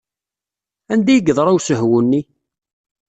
Anda ay yeḍra usehwu-nni?